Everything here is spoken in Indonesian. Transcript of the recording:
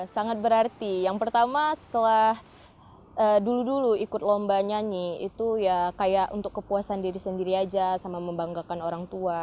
sangat berarti yang pertama setelah dulu dulu ikut lomba nyanyi itu ya kayak untuk kepuasan diri sendiri aja sama membanggakan orang tua